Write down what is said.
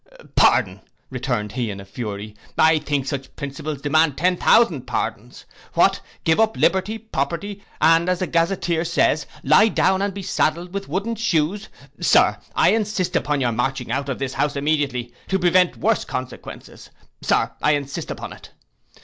'Pardon,' returned he in a fury: 'I think such principles demand ten thousand pardons. What, give up liberty, property, and, as the Gazetteer says, lie down to be saddled with wooden shoes! Sir, I insist upon your marching out of this house immediately, to prevent worse consequences, Sir, I insist upon it.